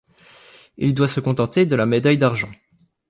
Il doit se contenter de la médaille d'argent.